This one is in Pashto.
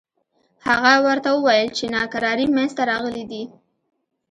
هغه ورته وویل چې ناکراری منځته راغلي دي.